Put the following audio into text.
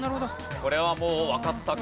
これはもうわかったか？